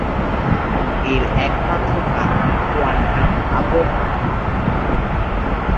এর একমাত্র কারণ কোয়ান্টাম আবন্ধন।